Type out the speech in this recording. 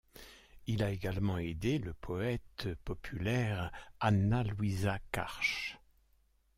Il a également aidé le poète populaire Anna Louisa Karsch.